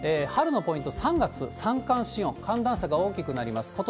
春のポイント、３月、三寒四温、寒暖差が大きくなります。